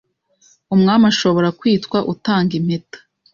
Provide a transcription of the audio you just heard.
umwami ashobora kwitwa utanga impeta